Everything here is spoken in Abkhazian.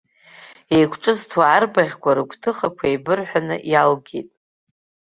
Еиқәҿызҭуаз арбаӷьқәа, рыгәҭыхақәа еибырҳәаны иалгеит.